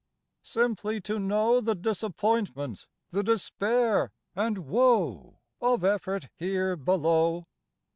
Simply to know The disappointment, the despair and woe Of effort here below?